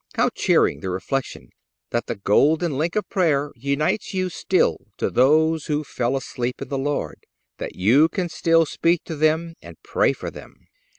How cheering the reflection that the golden link of prayer unites you still to those who "fell asleep in the Lord," that you can still speak to them and pray for them!